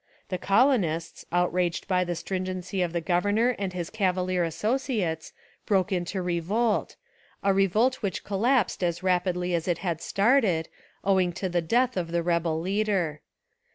The colonists, outraged by the stringency of the governor and his cavalier associates, broke into revolt, a revolt which collapsed as rapidly as It had started, owing to the death of the rebel leader.